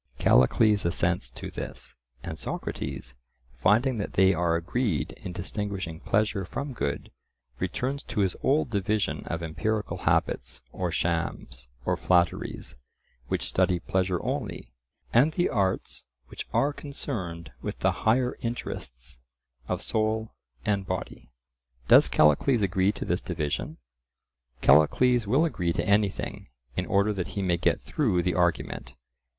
Callicles assents to this, and Socrates, finding that they are agreed in distinguishing pleasure from good, returns to his old division of empirical habits, or shams, or flatteries, which study pleasure only, and the arts which are concerned with the higher interests of soul and body. Does Callicles agree to this division? Callicles will agree to anything, in order that he may get through the argument.